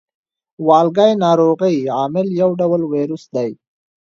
والګی ناروغۍ عامل یو ډول ویروس دی.